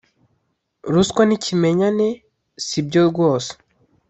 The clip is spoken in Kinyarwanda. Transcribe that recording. Ruswa n’ikimenyane, si byo rwose.